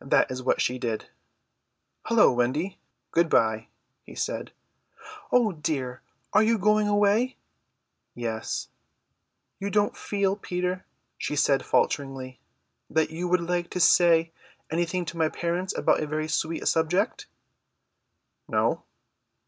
That is what she did. "Hullo, Wendy, good bye," he said. "Oh dear, are you going away?" "Yes." "You don't feel, Peter," she said falteringly, "that you would like to say anything to my parents about a very sweet subject?" "No."